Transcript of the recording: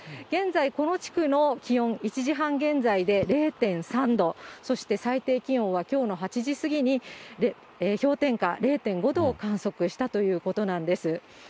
現在、この地区の気温、１時半現在で０．３度、そして最低気温はきょうの８時過ぎに氷点下０．５度を観測したということなんです。